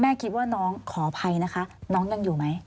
คิดว่าน้องขออภัยนะคะน้องยังอยู่ไหม